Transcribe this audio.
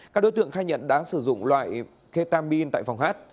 các đối tượng khai nhận đã sử dụng loại ketamine tại phòng hát